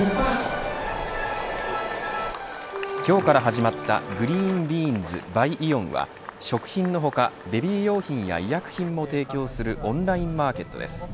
今日から始まったＧｒｅｅｎＢｅａｎｓｂｙＡＥＯＮは食品の他ベビー用品や医薬品も提供するオンラインマーケットです。